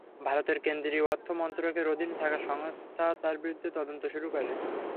ভারতের কেন্দ্রীয় অর্থ মন্ত্রকের অধীনে থাকা সংস্থা তাঁর বিরুদ্ধে তদন্ত শুরু করে।